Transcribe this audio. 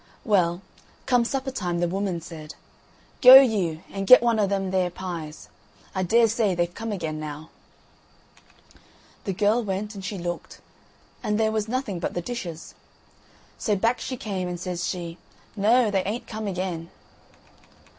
Well, come supper time the woman said: "Go you, and get one o' them there pies. I dare say they've come again now." The girl went and she looked, and there was nothing but the dishes. So back she came and says she: "Noo, they ain't come again."